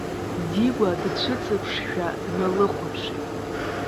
Дигәа дцәыҵыԥшшәа дналыхәаԥшит.